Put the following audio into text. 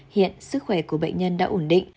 hiện sức khỏe của bệnh nhân đã ổn định